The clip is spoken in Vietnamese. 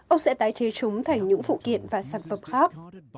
ông sẽ tái chế chúng thành những phụ kiện và sản phẩm khác